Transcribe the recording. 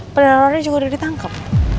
penerornya juga udah ditangkep